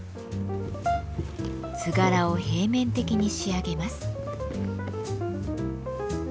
図柄を平面的に仕上げます。